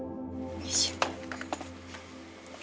よいしょ。